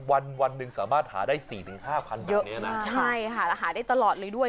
วันวันหนึ่งสามารถหาได้สี่ถึงห้าพันเบอร์ใช่ค่ะอาหารได้ตลอดเลยด้วย